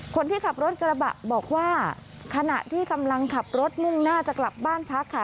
คนที่ขับรถกระบะบอกว่าขณะที่กำลังขับรถมุ่งหน้าจะกลับบ้านพักค่ะ